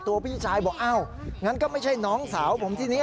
พี่ชายบอกอ้าวงั้นก็ไม่ใช่น้องสาวผมที่นี้